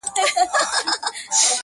دواړي سترګي د غوايي دي ورتړلي -